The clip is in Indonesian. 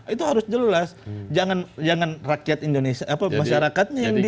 itu harus jelas jangan rakyat indonesia apa masyarakatnya yang di